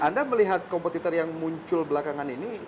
anda melihat kompetitor yang muncul belakangan ini